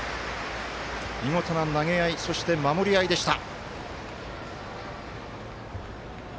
見事な投げ合いそして、守りあいでした。